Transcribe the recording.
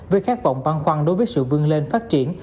với khát vọng văn khoăn đối với sự vương lên phát triển